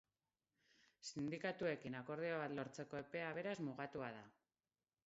Sindikatuekin akordio bat lortzeko epea, beraz, mugatua da.